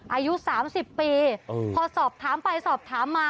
อายุ๓๐ปีพอสอบถามไปสอบถามมา